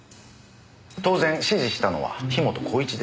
当然指示したのは樋本晃一ですよね？